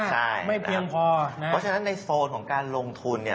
ใช่ไม่เพียงพอเพราะฉะนั้นในโซนของการลงทุนเนี่ย